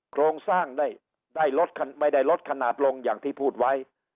โครงสร้างได้ไม่ได้ลดขนาดลงอย่างที่พูดไว้